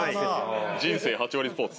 「人生８割スポーツ」。